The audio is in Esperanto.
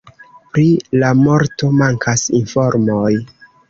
Pri la morto mankas informoj.